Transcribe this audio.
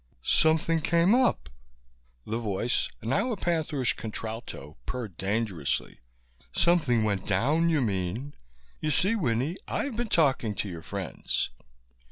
"Something came up!" The voice, now a pantherish contralto, purred dangerously. "Something went down, you mean. You see, Winnie, I've been talking to your friends.